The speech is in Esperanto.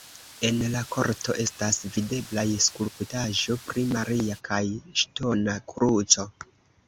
En la korto estas videblaj skulptaĵo pri Maria kaj ŝtona kruco.